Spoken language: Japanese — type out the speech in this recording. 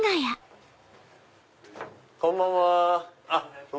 こんばんは。